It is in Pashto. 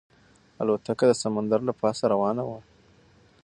الوتکه د سمندر له پاسه روانه وه.